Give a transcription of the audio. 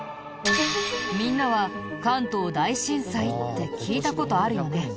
みんなは関東大震災って聞いた事あるよね。